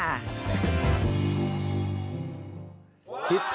ซิโคงหมูสับ๑